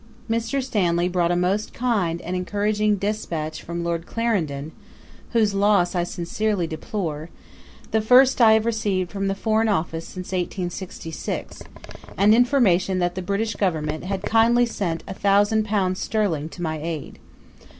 Mr. Stanley brought a most kind and encouraging despatch from Lord Clarendon (whose loss I sincerely deplore), the first I have received from the Foreign Office since 1866, and information that the British Government had kindly sent a thousand pounds sterling to my aid.